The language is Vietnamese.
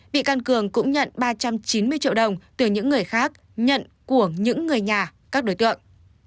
bị can cường cũng nhận ba trăm chín mươi triệu đồng từ những người khác nhận của những người nhà các đối tượng